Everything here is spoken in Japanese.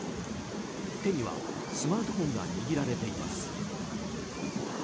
手にはスマートフォンが握られています。